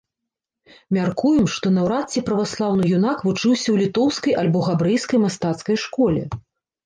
Мяркуем, што наўрад ці праваслаўны юнак вучыўся ў літоўскай альбо габрэйскай мастацкай школе.